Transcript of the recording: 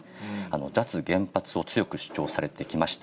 脱原発を強く主張されてきました。